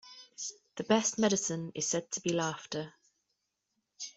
The best medicine is said to be laughter.